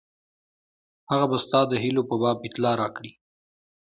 هغه به ستا د هیلو په باب اطلاع راکړي.